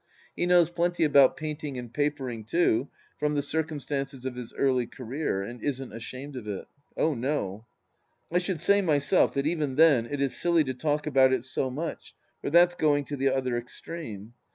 He knows plenty about painting and papering, too, from the circum stances of his early career, and isn't ashamed of it. Oh, no 1 I should say myself, that even then it is silly to talk about it so much, for that's going to the other extreme.